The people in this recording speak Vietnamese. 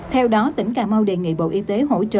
theo đó tỉnh cà mau đề nghị bộ y tế hỗ trợ